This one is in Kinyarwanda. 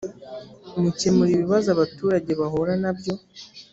mukemura ibibazo abaturage bahuranabyo.